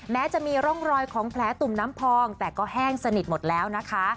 แม้จะมีร่องรอยของแผลตุ่มน้ำพองแต่ก็แห้งสนิทหมดแล้วนะคะ